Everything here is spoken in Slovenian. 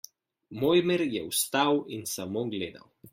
Mojmir je vstal in samo gledal.